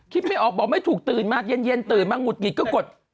ไม่ออกบอกไม่ถูกตื่นมาเย็นตื่นมาหงุดหงิดก็กด